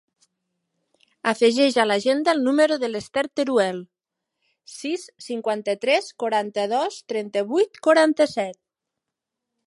Afegeix a l'agenda el número de l'Esther Teruel: sis, cinquanta-tres, quaranta-dos, trenta-vuit, quaranta-set.